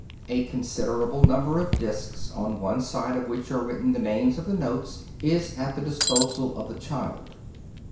A considerable number of discs, on one side of which are written the names of the notes, is at the disposal of the child.